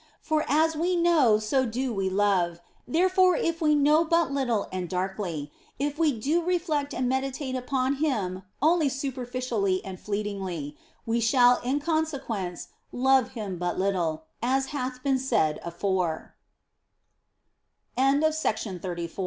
For as we know so do we love ; therefore if we know but little and darkly, if we do reflect and meditate upon Him only superficially and fleetingly, we shall in consequence love Him but little, as ha